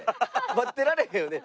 待ってられへんよね。